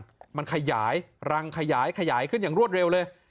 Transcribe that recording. มันขยายรังขยายขยายขึ้นอย่างรวดเร็วเลย